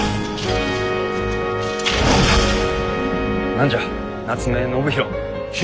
何じゃ夏目信広。